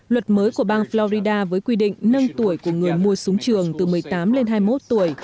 luật mới của bang florida với quy định nâng tuổi của người mua súng trường từ một mươi tám lên hai mươi một tuổi